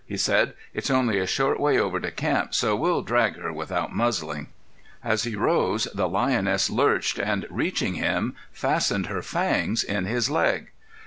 he said. "It's only a short way over to camp, so we'll drag her without muzzling." As he rose the lioness lurched, and reaching him, fastened her fangs in his leg.